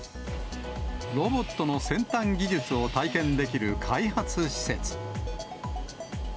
ロボットの先端技術を体験できる開発施設。